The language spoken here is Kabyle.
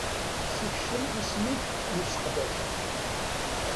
Sekcem isem-ik n useqdac.